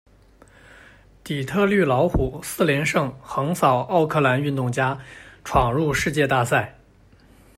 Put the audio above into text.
底特律老虎四连胜横扫奥克兰运动家，闯入世界大赛。